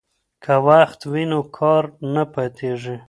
که وخت وي نو کار نه پاتیږي.